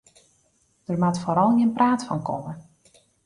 Der moat foaral gjin praat fan komme.